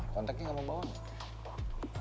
kontraknya kamu bawa gak